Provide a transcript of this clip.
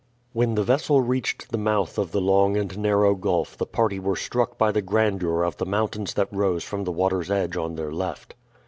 When the vessel reached the mouth of the long and narrow gulf the party were struck by the grandeur of the mountains that rose from the water's edge on their left.